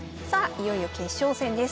いよいよ決勝戦です。